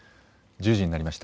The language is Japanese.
１０時になりました。